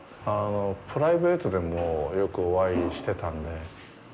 プライベートでもよくお会いしてたのね。